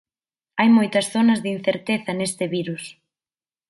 Hai moitas zonas de incerteza neste virus.